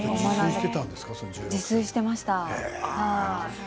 自炊していました。